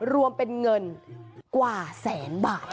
รวมเป็นเงินกว่าแสนบาท